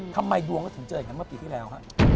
ทำไมดวงก็ถึงเจออย่างนั้นเมื่อปีที่แล้วฮะ